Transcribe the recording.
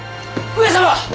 上様！